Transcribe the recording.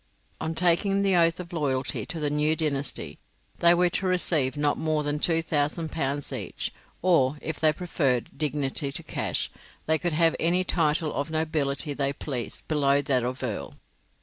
On taking the oath of loyalty to the new dynasty, they were to receive not more than 2,000 pounds each; or, if they preferred dignity to cash, they could have any title of nobility they pleased below that of earl.